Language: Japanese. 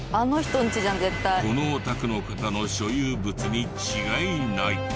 このお宅の方の所有物に違いない。